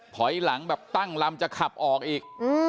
ถอยหลังแบบตั้งลำจะขับออกอีก